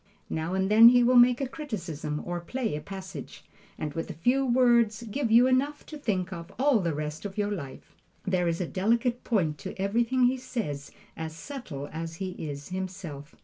Now and then he will make a criticism or play a passage, and with a few words give you enough to think of all the rest of your life. There is a delicate point to everything he says as subtle as he is himself.